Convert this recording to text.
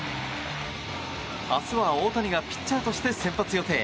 明日は大谷がピッチャーとして先発予定。